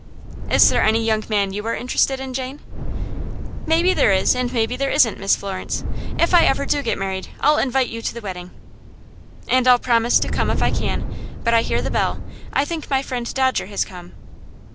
"Is there any young man you are interested in, Jane?" "Maybe there is, and maybe there isn't, Miss Florence. If I ever do get married I'll invite you to the wedding." "And I'll promise to come if I can. But I hear the bell. I think my friend Dodger has come."